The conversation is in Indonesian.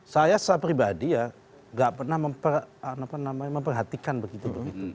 saya pribadi ya gak pernah memperhatikan begitu